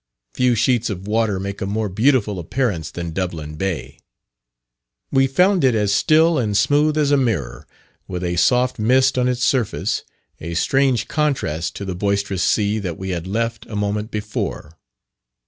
Few sheets of water make a more beautiful appearance than Dublin Bay. We found it as still and smooth as a mirror, with a soft mist on its surface a strange contrast to the boisterous sea that we had left a moment before.